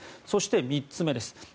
そして３つ目です。